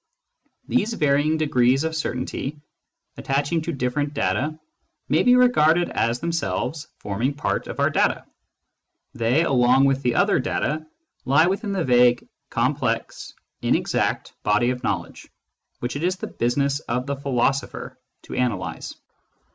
These varying degrees of certainty attaching to different data may be regarded as themselves forming part of our data ; they, along with the other data, lie within the vague, complex, inexact body of knowledge which it is the business of the philosopher to analyse.